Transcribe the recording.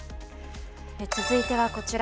続いてはこちら。